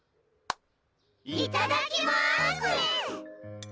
いただきます！